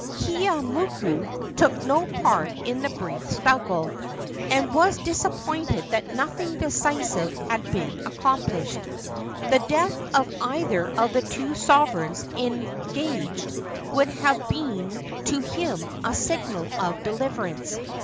Keeaumoku took no part in the brief struggle, and was disappointed that nothing decisive had been accomplished. The death of either of the two sovereigns engaged would have been to him a signal of deliverance.